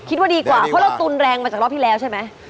คิดว่าดีกว่าเพราะเราตุนแรงมาจากรอบที่แล้วใช่ไหม